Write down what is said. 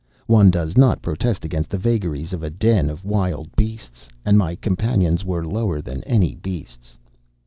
One does not protest against the vagaries of a den of wild beasts; and my companions were lower than any beasts.